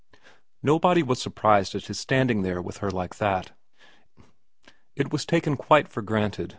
Nobody was surprised at his standing there with her like that. It was taken quite for granted.